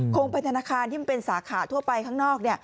คงเป็นธนาคารที่มันเป็นสาขาทั่วไปข้างนอก